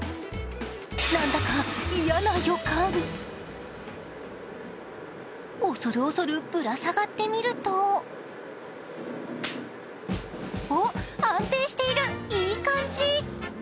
なんだか嫌な予感おそるおそるぶら下がってみると、おっ、安定している、いい感じ。